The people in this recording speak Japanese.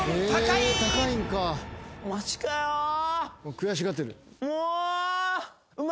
悔しがってる。